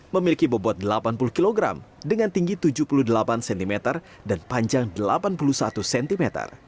memiliki bobot delapan puluh kg dengan tinggi tujuh puluh delapan cm dan panjang delapan puluh satu cm